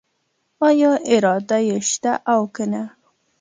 آیا اراده یې شته او کنه؟